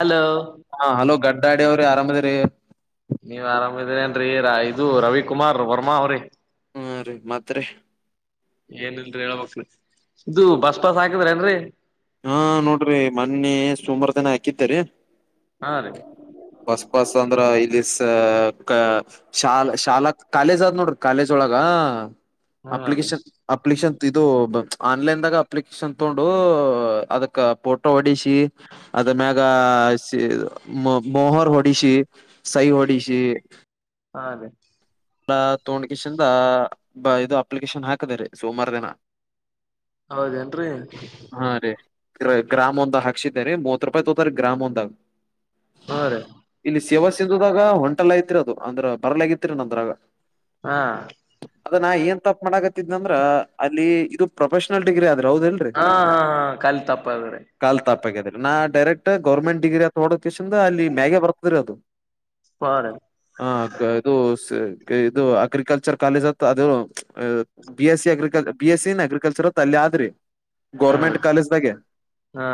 Hello ಹಾ hello ಗಡ್ಡಾಡಿ ಅವ್ರೆ ಆರಾಮದ್ರಿ. ನೀವ್ ಆರಾಮಿದೀರೇನ್ರಿ ಇದು ರವಿಕುಮಾರ್ ವರ್ಮಾ ಅವ್ರೆ. ಹಾ ರೀ ಮತ್ರಿ ಏನಿಲ್ರಿ ಹೇಳಬೇಕ್ರಿ. ಇದು ಬಸ್ ಸ್ಟಾಪ್ ಹಾಕಿದ್ರಿ ಏನ್ರಿ. ಹಾ ನೋಡ್ರಿ ಮೊನ್ನೆ ಸೋಮಾರ್ ದಿನ ಹಾಕಿದ್ದೇ ರಿ. ಹಾ ರೀ ಬಸ್ ಪಾಸ್ ಅಂದ್ರ ಇಲ್ಲಿ ಅ ಕ ಶಾಲ ಶಾಲಾ ಕಾಲೇಜ್ ಆದ ನೋಡ್ರಿ ಕಾಲೇಜ್ ಒಳಗ ಹಾ ರೀ ಅಪ್ಲಿಕೇಶನ್ ಅಪ್ಲಿಕೇಶನ್ ಇದು ಆನ್ಲೈನ್ದಾಗ ಅಪ್ಲಿಕೇಶನ್ ತೊಗೊಂಡು ಅದಕ್ ಫೋಟೋ ಹೊಡಿಸಿ ಅದ ಮ್ಯಾಗ ಆ ಸಿ ಮ ಮೊಹರ್ ಹೊಡಿಸಿ ಸಹಿ ಹೊಡಿಸಿ ಹಾ ಅದೇ. ಎ ಥೇಯೋಂಡುಡ್ಗಷಿಂದ ಇದು ಅಪ್ಲಿಕೇಶನ್ ಹಾಕದ ರರಿ ಸೋಮಾರ ದಿನ ಹೌದೇನ್ರರಿ ಹಾ ರೀ ಗ್ರಾಮ್ ಒಂದ ಹಾಸಿದೇ ರರಿ ಮೂವತ್ ರೂಪಾಯಿ ತೋತಾರ ಗ್ರಾಮ್ ಒಂದಾಗ ಹಾ ರೀ ಇಲ್ಲಿ ಸೇವ ಸಿಿಂದದಾಗ ಹೊಂಟಲ್ಲ ಐತಿರಿ ಅದು ಅಂದ್ರ ಬರ್ಲಗತಿರಿ ನಂದ್ರಾಗ ಹಾ ಹಾ ಅದ ನಾ ಏನ್ ತಪ್ ಮಾಡಕತ್ತಿದ್ದ ಅಂದ್ರ ಅಲ್ಲಿ ಇದು ಪ್ರೊಫೆಷನಲ್ ಡಿಗ್ರಿ ಆದ ಹಾ ಹಾ ಹ ಕಲ್ ತಪ್ಪಾದ್ರೆ ಕಾಲ್ ತಾಪಾಗ್ಯಾದ್ರಿ ನಾ ಡೈರೆಕ್ಟ್ ಗರ್ಮೆಟ್ ಡಿಗ್ರಿ ಹತ್ ಹೋಡೋಂದ ಅಲ್ಲಿ ಮ್ಯೆ ಬರ್ತದ್ರರಿ ಅದು ಹಾ ರೀ ಹಾಗದು ಸ ಇದು ಅಗ್ರಿಕಲ್ಚರ್ ಕಾಲೇಜ್ ಅ ಅದು್ B S C agriculture B S C agriculture ತಲ್ಲಿ ಆದ್ರಿ ಹಾ ಗೋರ್ಮೆಂಟ್ ಕಾಲೇಜ್ದಾಗೆ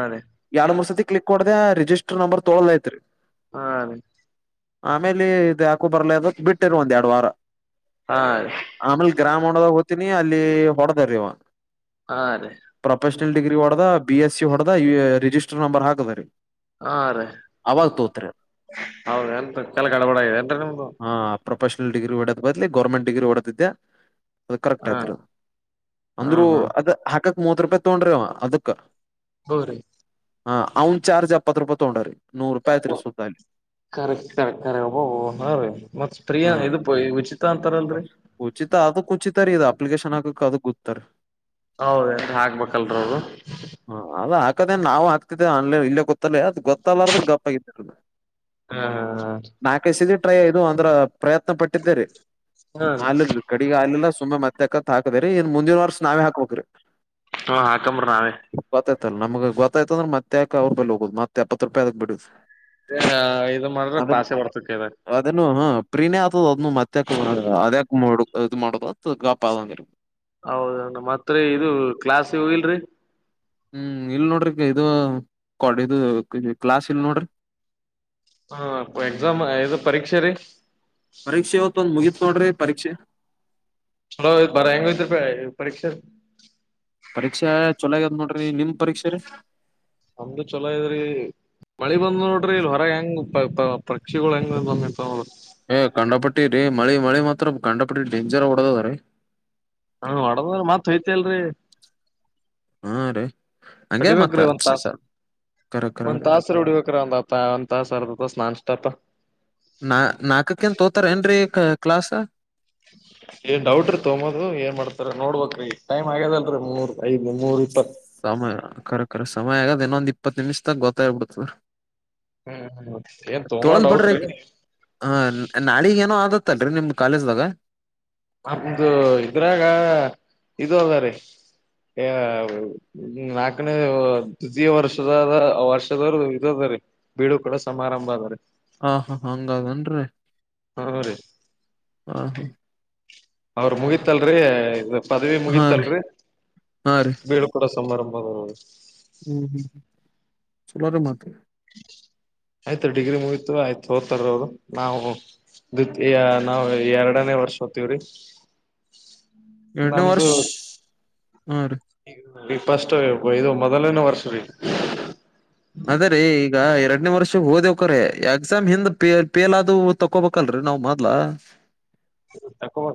ರೀ ಎಳ್ ಮೂರ್ ಸತಿ ಕ್ಲಿಕ್ ಕೊಡದೆ ಜ ನಂಬರ್ ತೊಳಲಐತ್ರಿ ಹಾ ಆಮೇಲೆ ಇದು ಯಾಕೋ ಬರ್ಲ ಅದ ಬಿಟ್ಟಿರ್ ಒಂದ್ ಎರಡ್ಡು ವಾರ ಹಾ ರೀ ಆಮೇಲ್ ಗ್ರಾಮ ಹೊದಾಗ ಹೋಗ್ತೀನಿ ಅಲ್ಲಿ ಹೊಡೆದಾರವ ಹಾ ರೀ ಹಾ ರೀ ಪ್ರೊಫೆಷನಲ್ ಡಿಗ್ರಿ ಹೊಡದ ಬಿ ಎಸ್ಸ ಹೊಡದ ರಿಜಿಸ್ಟರ್ ನಂಬರ್ ಹಾಕದ ರೀ ಹಾ ರೀ ಹೌದ ಎಂತ ಕೆಲ ಗಡವಾಡ ಏನ್ರೀ ನಿಮ್ದು ಪ್ರೊಫೆಷನಲ್ಡಿ್ರಿ ಡೋದ ಬದ್ಲಿ ಗೌರ್ಮೆಂಟ್ ಡಿಗಿ ಓಡದಿದ್ದೆ ಅದ ಕರೆಕ್ಟ್ ಹ ಆಯ್ತ್ರಿ ಹಾ ಅಂದ್ರು ಹಾ ಅದ ಹಾಕಕ್ ಮೂವತ್ ರೂಪಾಯಿ ತೊೊಂಡ್ರಿ ಅದಕ್ ಹೌ ರೀ ಹ ಅವ್ನ್ ಚಾರ್ಜ್ ಎಪ್ಪತ್ತು ರೂಪಾಯ ತಗೊಂಡ್ರರಿ ಕರೆಕ್ ಕರೆಕ್ ಕರೆಕ್ಬ್ಬ ನಾೀ ಮತ್ತ್ ಪ್ರಿಯ ಇ ಕುಚಿತ ಅದಕ್ ಕುಚಿತಾರ ಇದು ಅಪ್ಲಿಕೇಶನ್ ಹಾಕಕ್ ಅದಕ್ ಗೊತ್ತಾರ ಹೌದ ಹಾಕ್ಬೇಕಲ್ರ ಅವರು ಹ ಅದ ಹಾಕದೇ ನಾ್ ಹಾತೇ ಆನ್ಲೈನ್ ಇಲ್ಲೇ ಗೊತ್ತಲ್ಲೇ ಅದು ಗೊತ್ತಲ್ಲಾರದ ಗಪ್ ಆ ಹ ನಾಲ್ಕೈಸ ಟ್ರೈ ಇದು ಅಂದ್ರ ಪ್ರಯತ್ನ ಪಟ್ಟಿದ್ದಾರೆ ಹ ಹಾಲ ಕಡೆ ಹಾಲಲ್ಲ ಸುಂಬಾ ಮತ್ತೆ ಅಕತ್ ಹಾಕದ್ರರಿ ಇನ್ ಮುಂದಿನ ವರ್ಷ ನಾವೇ ಹಾಕ್ಬೇಕ್ರಿ ಹಾ ಹಾಕಂಬ್ರಿ ನಾವೇ ಆಯ್ತಂದ್ರೆ ಮತ್ಕ ಅವ್ರೂಪಲ್ ಹೋುದುತ್ತ ಎಪ್ಪತ್ತು ರೂಪಾಯಿದಕ್ ಬಿಡುದು [inaudible] ಇದ ಮಾಡಿದ್ರೆ ಅದನ್ನು ಪಾಸೆ ಬರ್ತಕ್ ಇದ ಅದನ್ನು ಹ ಪ್ರೀಣ ಅದನ್ನು ಮತ್ತ ಅದ್ಯಾ ಮಾಡ ಇದ ಮಾಡದು ಹೌದ್ಣ ಮತ್ರರಿ ಇದು ಕ್ಲಾಸ್ಿಗೆ ಹೋಗಿಲ್ರಿ ಹ್ಮ್ ಇಲ್ ನೋಡ್ರಿಗ ಇದು ಕೊ ಇದು ಕ್ಲಾಸ್ ಇಲ್ ನೋಡ್ರಿ ಹಾ ಎಕ್ಸಾಮ ಏದು ಪರೀಕ್ಷೆ ರ ಪರೀಕ್ಷೆ ಇವತ್ ಒಂದ್ ಮುಗಿತ್ ನೋಡ್ರಿ ಪರೀಕ್ಷೆ ಚಲೋ ಬರ ಹೆಂಗ ಇ ಪರೀಕ್ಷೆ ಪರೀಕ್ಷೆ ಚೊಲಾಗ್ಯದ್ ನೋಡ್ರಿ ನಿಮ್ ಪರೀಕ್ಷೆ ರ ನಮ್ದು ಚಲೋ ಇದ್ರಿ ಮಳಿ ಬಂದ ನೋಡ್ರಿ ಇಲ್ಲಿ ಹೊರ ಹೆಂಗ್ ಪಕ್ಷಿಗಳು ಹೆಂಗ ಏ ಕಂಡಪಟ್ಟಿ ರೀ ಮಳಿ ಮಳಿ ಮಾತ್ರ ಕಂಡಪಟ್ಟಿ ಡೇಂಜರ್ ಹೊಡದದ ರೀ ಹಾ ಹೊಡದ್ರ ಮತ್ ಹಯ್ತ ಅಲ್ರರಿ ಹಾ ರೀ ಹಂಗೆ ಕಡಿಬೇಕ್ರೀ ಮತ್ತ ಒಂತತಾಸು ಸರ್ ಕರೆ ಒಂದ್ ಕರೆ ತಾಸ್ರ ಉಡಿಬೇಕ್ರ ಒಂದಪ್ಪ ಒಂದ್ ತಾಸ ಅರ್ದತ ಸ್ ನನ್ಷ್ಟಪ ನಾ ನಾಲ್ಕಕ್ಕಂತ ತೋತಾರ ಏನ್ರೀ ಕ್ಲಾಸ್ ಏನ್ ಡೌಟ್್ರೀ ತಗೋದು ಏನ್ ಮಾಡ್ತಾರ ನೋಡ್ಬ್ರೀ ಟೈಮ್ ಆಗ್ಯದಲ್ರರಿ ಮೂರ್ ಐದ್ ಮೂರ್ ಇಪ್ಪತ್ತು ಸಮಯ ಖರಖರ ಸಮಯ ಆಗಾದ ಇನ್ನೊಂದ್ ಇಪ್ಪತ್ತು ನಿಮಿಷದಾಗ ಗೊತ್ತಾಗಬಿಡತ ಹ್ಮ್ ಏನ್ ತುಂಬಾ ತೊಳಂದ್ ಡೌಟ್ ಬಿಿಟ್ರಿ ರೀ ಹ ನಾಳಿಗ್ ಏನೋ ಆದ ಇತ್ತಲ್ರಿ ನಿಮ್ ಕಾಲೇಜ್ದಾಗ [unintelligible] ನಮ್ದು ಇದ್ರಾಗ ಇದು ಅದ ರ ನಾಕನೇ ದ್ವಿತೀಯ ವರ್ಷದ ವರ್ಷದವರು ಇದ ಬ ಬಿಡು ಕೂಡ ಸಮಾರಂಭ ಅದ್ರೀ ಹಾ ಹಾ ಹಂಗಾದನ್ರಿ ಹ್ಮ ರೀ ಹ ಹಾ ಅವ್ರ ಮುಗತಲ್ರಿ ಇ ಪದವಿ ಹಾ ರೀ ಮುಗೀತಲ್ರಿ ಹಾ ರೀ ಬೀಳ್ ಕೊಡ ತುಂಬಾರುಂಬ ಬದು [unintelligible] ಚಲೋರ ಮಾತ ಆಯ್ತ ಡಿಗ್ರಿ ಮುಗತು ಆಯ್ತು ಹೋದತಾರ ಅವರು ನಾವು ದ ನಾವವು ಎರಡನೇ ವರ್ಷ ಹ್ತೀವ್ರಿ ಎಡು ವರ್ಷ ಆರು ನ ಫಸ್ಟ್ ಇದು ಮೊದಲನೇ ವರ್ಷ ರೀ ಆದರೆ ಈಗ ಎರಡನೇ ವರ್ಷ ಹಓದವಕ್ರ ಎಕ್ಸಾಮ್ ಹಿಂದ ಪೇಲ್ ಆದ ತಕೊಬೇಕಲ್ರರಿ ನಾವ್ ಮದ್ಲ ತಬ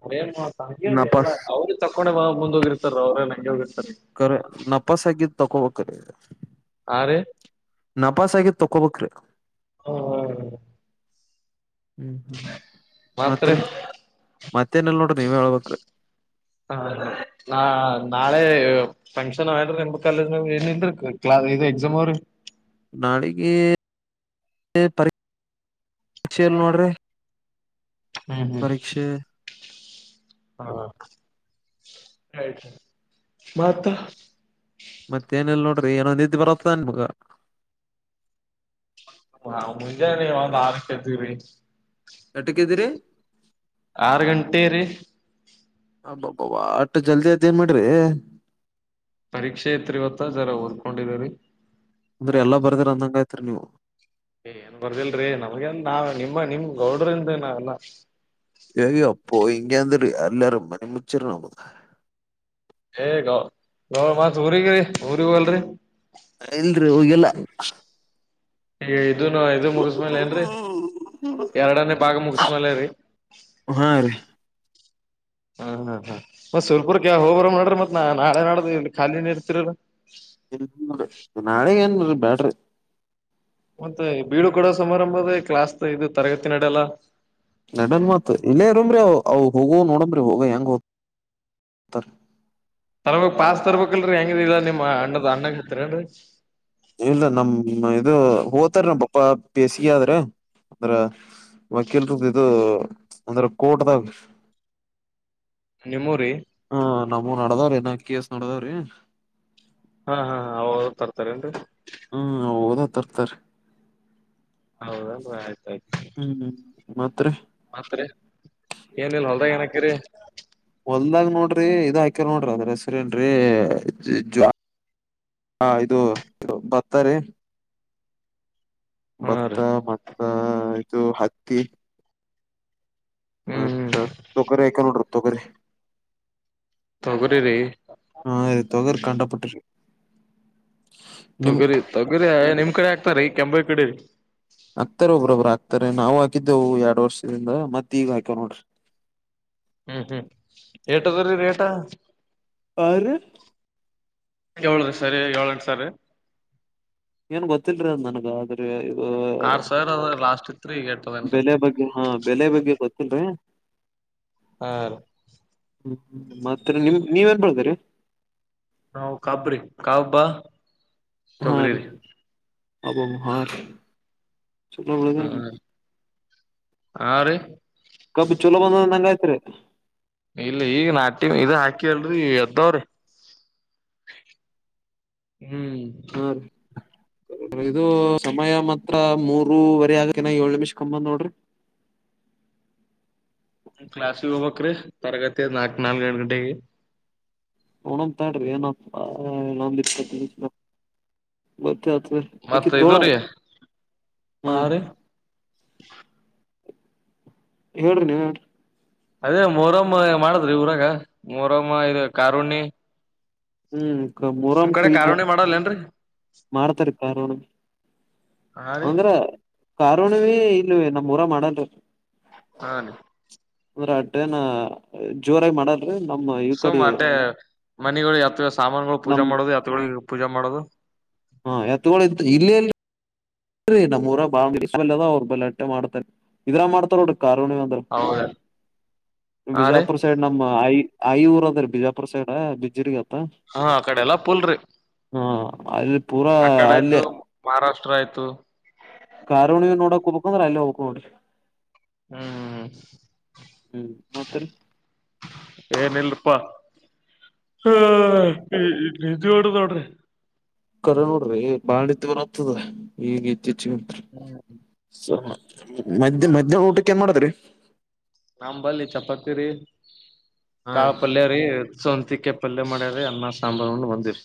ಎಲ್ಲ ನಪಾಸ್ ಅವ್ರರು ತಕೊಂಡ ಮುಂದ ಹೋಗಿರ್ತಾರ ಅವ್ರೇ ನಂಗೆ ಹೋಗಿರ್ತಾರೆ ಕ ನಪಾಸಗ ತಕೋವಕೆ ಹಾ ರೀ ನಪಾಸಹಗೆ ತಕ್ಕೋ ಬಕ್ರ ಹ್ಮ್ ಹ್ಮ್ ಮತ್ರ ಮತ್ರಿ ಮತ್ತೇನೆಲ್ಲ ನೋಡ್ರಿ ನೀವ ಹೇಳ್ಬೇಕ ಹ ನಾ ನಾಳೆ ಫಂಕ್ಷನ್ ಆ್ರ ನಿ ಕಾಲೇಜ ಏನ್ಲ್ಇದು ಎಕ್ಸಾಮ್ ಅವ್ರಿ ನಾಡಿಗೆ ಪ ಪರೀಕ್ಷೆಯಲ್ಲಿ ನೋಡ್ರಿ ಹ್ಮ್ ಹ್ಮ್ ಪರೀಕ್ಷೆ ಹಾ ಆಯ್ತ ಮತ್ತೇನೆಲ್ಲ ನೋ ನೀತಿ ಪತನ್ ಮುಗ ಹ ಮುಂಜಾನ ನೀ ಆರು ಕೇತಕ್ರಿ ಎಟಕ್ಕಿದ್ದೀರಿ ಆರು ಗಂಟೆ ರೀ ಹಬಬ ಆಟು ಜಲ್ದಿ ಅದೇನ್ ಮಾಡಡ್ರಿ ಪರೀಕ್ಷೆ ತ್ರಿ ಇವತ್ತ ಜರ ಓದ್ಕೊಂಡಿದರಿ ಅಂದ್ರೆ ಎಲ್ಲಾ ಬರ್ದ್ರ ಅಂದಂಗ ಆಯತ್ರಿ ನೀವು ಏ ಏನ್ ಬರ್ದಿಲ್ರೀ ನಮ್ಗೆ ನಾವ್ ನಿಮ್ಮ ನಿಮ್ ಗೌಡ್ರಿಂದ ನಾವೆಲ್ಲ ಅಯ್ಯೋ ಅಪ್ಪ ಇಂಂಗಾಂತರಿ ಎಲ್ಲರು ಮಣಿಮಚ್ಚಿರರಣಾಮ ಹೇಗ ಗ ಮತ್ ಊರಿಗರಿ ಊರಿಗಲ್ರರಿ ಇನ್ ಹಗೆಲ್ಲ ಹ ಇದನು ಇ ಮುಗಿಸ್ಮೇಲೆ ಏನ್ರೀ ಎರಡನೇ ಭಾಗ ಮುಗಿಸ್ಮೇಲ ರೀ ಹ ಹ್ಮ ಹಾ ಹಾ ಮತ್ ಸ್ವಲ್ಪೂರ್ ಕ ಹೋಗಬರ ನಡ್ರಿ ಮತ್ ನ ನಾಳೆ ನೋಡ್ದ ಇ ಖಾಲಿ ನೀ ಇರ್ತಿರ ಇ ನಾಳೆ ಏನ್ರಿ ಬ್ಯಾಡ್ರಿ ಮತ್ತೆ ಬೀಳು ಕಡೋ ಸಮಾರಂಭದ ಕ್ಲಾಸ್ ಇದು ತರಗತಿ ನಡಡೆಲ್ಲ ನಡನ್ ಮಾತು ಇಲ್ಲೇ ಮ್ರೀವು ಹೋಗುವ ನೋಡಂಬ್ರಿ ಹೋಗ ಹೆಂಗ ಹೋದ ತರ್ಬೇಕೇಕ್ ಪಾಸ್ ತರ್ಬೇಕಕ್ಲ್ರರಿ ಹೆಂಗ ನಿಮ್ಮ್ ಅಣ್ಣದ ಅಣ್ಣಗ್ ಹತ್ತರಿನ್ರರಿ ಇಲ್ಲ ನಮ ಇದು ಹೋತಾರ ನಮ್ಮ ಪಾಪಾ ಬೇಸಿಗೆ ಆದ್ರೆ ಅಂದ್ರ ಮಕಲ್ರು ಇದು ಅಂದ್ರೆ ಕೋಟದಾಗ ನಿಮರಿ ನಾ ಕ ಎಸ್ ನೋಡದಾವ್ರೀ ಹಾ ಹಾ ಹ ಅವ ತರ್ತಾರೇನ್ರಿ ಹ್ಮ್ ಹಓದ ತರ್ತರಿ ಹೌದ ಆಯ್ತಯ್ತ ಹ್ಮ್ ಮತ್ರಿ ಮತ್ರಿ ಏನ ಇಲ್ಲ ಹೊಲ್ದಾಗ ಏನಕ್ರರಿ ಹೊಲ್ದಾಗ ನೋಡ್ರಿ ಇದ ಹಾಕ್ಯಲ್ ನೋಡ್ರಿ ಅದ್ರ ಹೆಸ್ರ ಏನ್ರರಿ ಜ ಹಾ ಇದು ಭತ್ತರಿ ಹಾ ಭತ್ತ ರೀ ಮತ್ತ ಇದು ಹತ್ತಿ ಹ್ಮ್ ಹ್ಮ್ ಮತ್ತ ತೊಕರಿ ಹಾಕೇವಿ ನೋಡ್ರಿ ತೊಗರಿ ತೊಗರಿರಿ ಹಾ ರೀ ತೊಗರಿ ಕಂಡಾಪಟ್ಟೆ ತೊಗರಿ ತೊಗರಿ ಏ ನಿಮ್ ಕಡೆ ಆಗ್ತಾರೀ ಕೆಂಬೈ ಕಡೆರೀ ಆಕ್ತಾರ ಒಬ್ರೊಬ್ರ ಆಕ್ತಾರೆ ನಾವು ಹಾಕಿದ್ದೇವು ಎರಡ್ ವರ್ಷದಿಂದ ಮತ್ತ ಈಗ ಹಾಕೇವ್ ನೋಡ್ರಿ ಹ್ಮ್ ಹ್ಮ್ ಏಟದರೀ ರೇಟ ಆ ರೀ ಏಳ ಸರೆ ಏಳೆಂಟು ಸರೆ ಏನ್ ಗೊತ್ತಿಲ್ರೀ ನನ್ಗ ಆದ್ರೆ ಆ ಆರ್ ಸಾವಿರ ಅದ ಲಾಸ್ಟ್ ಇತ್ರಿ ಈಗ ಎಟ್ಟದೇನ್ರಿ ಬೆಲೆ ಬಗ್ಗೆ ಹಾ ಬೆಲೆ ಬಗ್ಗೆ ಗೊತ್ತಿಲ್ರಿ ಹಾ ಹ್ಮ ಮತ್ತ ರೀ ನೀವ್ ಏನ್ ಬೆಳ್ದಿರಿ ನಾವು ಕಾಬ್ರಿ ಕಾಬ್ಬಾ ಹಾ ರೀ ಅಬಾಬಬ ಹಾ ರೀ ಚಲೋ ಓದ್ಯಾನ ಹ್ಮ ಹಾ ರೀ ಕಬ್ಬ ಚೊಲೋ ಬಂದಂಗ ಆಯ್ತ್ರಿ ಇಲ್ಲಿ ಈಗ ನಾಟಿ ಇದ ಹಾಕೀವಲ್ರೀ ಎದ್ದಾವ್ರಿ [inaudible] ಹೂಂ ರೀ ಇದು ಸಮಯ ಮ ಮೂರವರೆ ಆಗಕೇನ ಏಳ್ ನಿಮಿಷ ಕಂಬಂದ್ ನೋಡ್ರಿ ಕ್ಲಾಸಿಗ್ ಹೋಗ್ಬೇಕ್ರೀ ತರಗತಿ ಅದ್ ನಾಕ ನಾಲ್ಕು ನಾಲ್ಕಾರ್ ಗಂಟೆಗೆ ನೋಡುಂ ತಾಡ್ರಿ ಏನೋ ಇನ್ನೊಂದು ಇಪ್ಪತ್ತ ನಿಮಿಷ ಮತ್ ಇದು ರೀ [unintelligible] ಹಾ ರೀ ಹೇಳ್ರಿ ನೀವ ಹೇಳ್ರಿ ಅದೇ ಮೊರಮ್ಮ ಮಾಡದ್ರಿ ಈ ಊರಾಗ ಮೋರಮ್ಮ ಇದು ಕಾರುಣಿ ಹ್ಮ್ ಮೋರಂ ನಿಮ್ ಕಡೆ ಕುಯ್ದು ಕಾರುಣಿ ಮಾಡಲ್ಲ ಏನ್ರರಿ ಮಾರ್ತಾರಿ ಕಾರು ಹಾ ರೀ ಅಂದ್ರ ಕಾರಹುಣಿವಿ ಇಲ್ ನಮ್ಮ್ ಊರಾಗ ಮಾಡಲ್ರೀ ಹಾ ರೀ ಅಂದ್ರ ಆ ಟ್ರೇನ ಜೋರಾಗಿ ಮಾಡಲ್ರಿ ನಮ್ಮ ಈ ಕಡಿ ಗಳು ಯತ್ ಸಾಮಾನಗಳು ಪೂಜಾ ಮಾಡೋದು ಯತ್ಗೂಳಿಗೆ ಪೂಜಾ ಮಾಡೋದು ಹಾ ಎತ್ಗುಳ್ ಇಲ್ಲೆಲ್ ೀ ನಮ್ಮೂ ಊರಾಗ್ [unintelligible] ಅವ್ರ ಬಲಾಟ್ಟೆ ಮಾಡ್ತಾರೆ ಇದ್ರಾಗ ಮಾಡ್ತಾರ ನೋಡ್ರಿ ಕಾರುಣಿವಿ ಅಂದ್ರ ಹೌದ ಹಾ ರೀ ಬಿಜಾಪುರ್ ಸೈಡ್ ನಮ್ಮ ಆಯಿ ಆಯಿ ಊರ್ ಅದ್ರೀ ಬಿಜಾ ಪುರ ಸೈಡ್ ಬಿಜ್ಜಿರ್ಗೀ ಹಾ ಆ ಕಡೆ ಎಲ್ಲ ಪುಲ್ರಿ ಹ ಅಲ್ಲಿ ಪೂರಾ ಆ ಕಡೆ ಆಯ್ತು ಅಲ್ಲೇ ಮಹಾರಾಷ್ ಷ್ಟ್ರ ಆಯಿತು ಕಾರುಣುವಿ ನೋಡಾಕ್ ಹೋಗ್ಬೇಕ್ ಅಂದ್ರ ಅಲ್ಲೇ ಹೋಗ್ಬೇಕ್ ನೋಡ್ರಿ ಹ್ಮ್ ಹ್ಮ್ ಮತ್ತರಿ ಏನಲ್ರಿ ಪಾ ಹಾ ನಿದ್ದಿ ಮಾಡೂದ್ ನೋಡ್ರಿ ಕರೆ ನೋಡ್ರಿ ಬಾಳಿ ನಿದ್ದಿ ಬರತ್ತದ ಈಗ ಇತ್ತೀಚೆಗಂತ್ರು ಹ್ಮ್ ಸ ಮದ್ಯಾ ಮಧ್ಯಾಹ್ನ ಊಟಕ್ಕೆ ಏನ್ ಮಾಡತ್ರಿ ನಮ್ ಬಲ್ಲಿ ಚಪಾತಿ ರೀ ಕಾಳ ಪಲ್ಯ ರೀ ಸೊಂತಿ ಕಾಯ್ ಪಲ್ಯ ಮಾಡ್ಯರೀ ಅನ್ನ ಸಾಂಬಾರ ಉಂಡು ಬಂದೆವ್ರೀ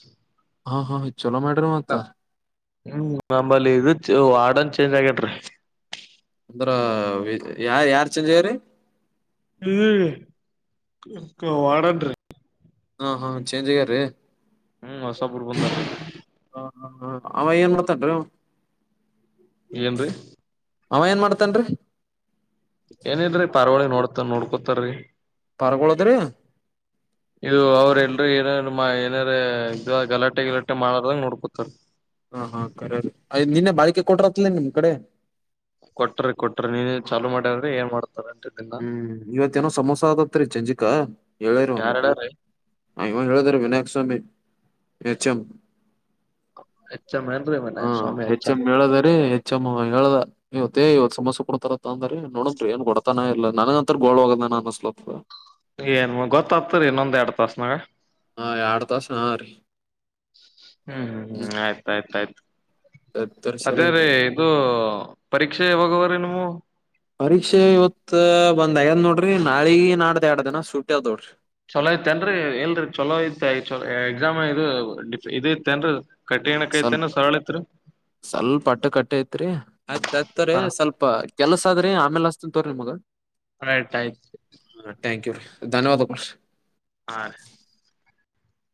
ಹಾ ಹಾ ಚಲೋ ಮಾಡ್ರಿ ಮತ್ತ ಹ್ಮ್ ನಮ್ಮಲ್ಲಿ ಇದು ವಾರ್ಡನ್ ಚೇಂಜ್ ಆಗ್ಯಾನ್ರೀ ಅಂದ್ರ ಯಾ ಯಾರ್ ಚೆಂಜ್ ಆಗ್ಯಾರೀ ಹ್ಮ್ ವಾರ್ಡನ್ರೀ ಹಾ ಹಾ ಚೇಂಜ್ ಅಗ್ಯಾರ್ರೀ ಹ್ಮ್ ಹೊಸಬರು ಬಂದರು [unintelligible] ಏನ್ರೀ ಅವ ಏನ್ ಮಾಡಾ್ತನ್ರಿ ಏನಿಲ್ರಿ ಪಾರಿವಾಳ ನೋಡ್ತ ನೋಡ್ಕೋತಾರೀ ಪಾರ್ಗೊಳದ್ರಿ ಇದು ಅವ್ರ ಎಲ್ರುೂ ಏನ ಏನಾರ ಗಲಾಟೆ ಗಲಾಟೆ ಮಾಡಾರದಾಗ ನೋಡ್ಕೊತರ್ ಹಾ ಹಾ ಕರಯ್ ನಿನ್ನೆ ಬಾಳಿಕೆ ಕೊಟ್ರತ್ಲ ನಿಮ್ ಕಡೆ ಕೊಟ್ರಿ ಕೊಟ್ರಿ ನೀನು ಚಾಲು ಮಾಡ್ಯಾರ್ರರಿ ಏನ್ ಮಾಡ್ತರಿ ಹ್ಮ್ ಇವತ್ತೇಏನೋ ಸಮೋಸ ಆದದತ್ರಿ ಚಂಜಿಕಾ ಹೇಳೇರ ಒ ಯಾರ್ ಹೇಳ್ಯಾರಿ ಐವಾ ಹೇಳಳದರೆ ವಿಿನಾಯಕ್ ಸ್ವಾಮಿ ಎಚ್ ಎಂ ಎಚ್ ಎಂ ಏನ್ರಿ ಹಾ ವಿನಾಯಕ್ ಸ್ವಾಮಿ ಎಚ್ ಹೆಚ್ಚ ಹೆಚ್ ಎಂ ಹೇಳದರಿೀ ಹೆಚ್ಚ ಎಮ್ ಹೇಳದ ಇವತ್ತು [unintelligible] ಏನ್ ಗೊತ್ತತ್ತರಿ ಇನ್ನೊಂದ್ ಎರಡು ತಾಸನಾಗ ಹಾ ಎಡು ತಾಸ ಹಾ ರೀ ಹ್ಮ್ ಹ್ಮ್್ಮ್ ಆಯ್ತಾಯ್ತ ಆಯ್ತು ಹ್ಮ್ ಅದೇ ರೀ ಸರಿ ಇದು ಪರೀಕ್ಷೆಾವಾಗುವ್ರೀ ನೀಮವು ಪರೀಕ್ಷೆ ಇವತ್ ಒಂದ್ ಐದ್ ನೋಡ್ರಿ ನಾಳಿ ನಾಡ್ದ ಎರಡ ದಿನ ಸುಟ್ಟಿ ಆದೋಡ್ರಿ ಚಲೋ ಐತ್ತೇನ್ರರಿ ಎಲ್ರಿ ಚೊಲೋ ಐತೆ ಚ ಎಕ್ಸಾಮ್ ಇದು ಇದ ಇಐತೆೇನ್ರಿ ಸ್ವಲ್ಪ ಏನಕೈಐತನ ಸರಳತ್ರು ಸ್ವಲ್ಪ ಅಟ್ಟು ಕಟ್ಟೆ ಐತ್ರಿ ಆಯ್ತ್ತಾರೆ ಹಾ ಸ್ವಲ್ಪ ಕೆಲ್ಸ ಆದ್ರಿ ಆಮೇಲ ತ್ರ ಮಗ ಅಯ್ತು ಆಯ್ತು ಥ್ಯಾಂಕ್ ಯು ರಿ ಧನ್ಯವಾದಗಳು ಹ